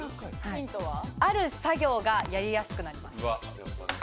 ある作業がやりやすくなります。